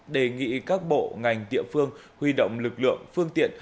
đề nghị các bộ ngành địa phương huy động lực lượng phương tiện